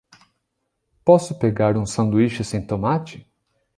Posso pegar um sanduíche sem tomate?